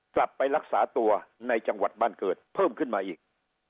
กลับไปรักษาตัวในจังหวัดบ้านเกิดเพิ่มขึ้นมาอีก